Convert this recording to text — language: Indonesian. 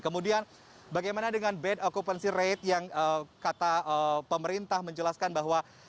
kemudian bagaimana dengan bad occupancy rate yang kata pemerintah menjelaskan bahwa